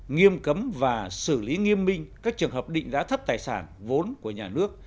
nghiêm cấm và xử lý nghiêm minh các trường hợp định giá thấp tài sản vốn của nhà nước